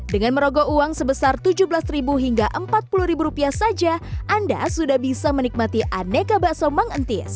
dengan merogak uang sebesar tujuh belas ribu hingga rp empat puluh saja anda sudah bisa menikmati aneka bikso mengantis